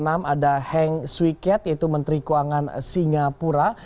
ada heng suiket yaitu menteri keuangan singapura